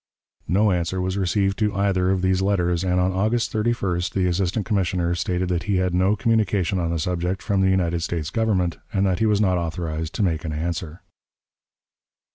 No answer was received to either of these letters, and on August 31st the assistant commissioner stated that he had no communication on the subject from the United States Government, and that he was not authorized to make an answer.